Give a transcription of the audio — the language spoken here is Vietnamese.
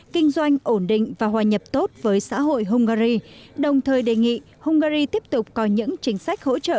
kinh doanh ổn định và hòa nhập tốt với xã hội hungary đồng thời đề nghị hungary tiếp tục có những chính sách hỗ trợ